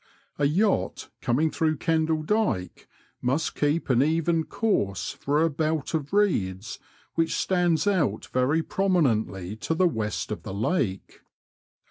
A yacht coming through Kendall Dyke must keep an e?en course for a belt of reeds which stands out very prominently to the west of the lake.